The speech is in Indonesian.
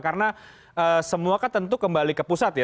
karena semua kan tentu kembali ke pusat ya